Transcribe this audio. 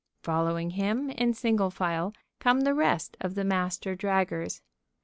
Following him, in single file, come the rest of the Master Draggers.